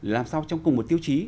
làm sao trong cùng một tiêu chí